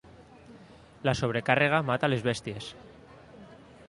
La sobrecàrrega mata les bèsties.